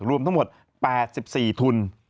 รวมทั้งหมด๘๔ทุน